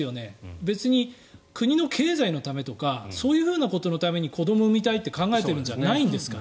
別に国の経済のためとかそういうことのために子どもを産みたいと考えているんじゃないですから。